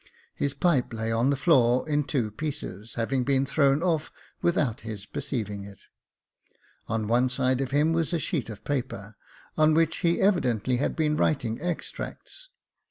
His pipe lay on the floor, in two pieces, having been thrown off without his perceiving it. On one side of him was a sheet of paper, on which he evidently had been writing extracts.